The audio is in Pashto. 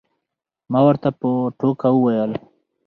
ما ورته په ټوکه وویل.